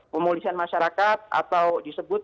pemulisan masyarakat atau disebut